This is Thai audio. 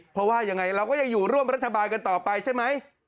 เพราะว่ายังไงเราก็ยังอยู่ร่วมรัฐบาลกันต่อไปใช่ไหม